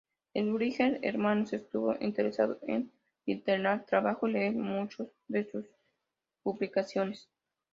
El Wright hermanos estuvo interesado en Lilienthal trabajo y leer muchos de sus publicaciones.